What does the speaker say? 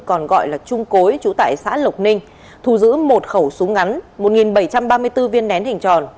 còn gọi là trung cối trú tại xã lộc ninh thu giữ một khẩu súng ngắn một bảy trăm ba mươi bốn viên nén hình tròn